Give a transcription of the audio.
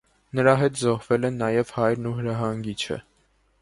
Նրա հետ զոհվել են նաև հայրն ու հրահանգիչը։